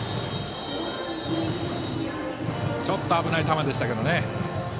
ちょっと危ない球でしたけどね。